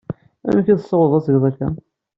Amek tessawḍeḍ ad tgeḍ akka?